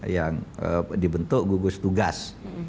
yang dibentuk gugus tugas